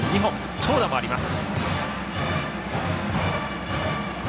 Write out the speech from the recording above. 長打もあります。